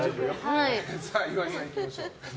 岩井さん、いきましょう。